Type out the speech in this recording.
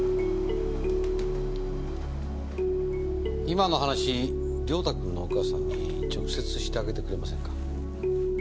今の話良太君のお母さんに直接してあげてくれませんか？